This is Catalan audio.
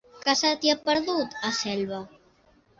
Què se t'hi ha perdut, a Selva?